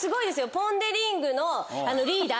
ポンデリングのリーダー